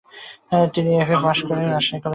তিনি FA pass করেন Rajshahi college থেকে।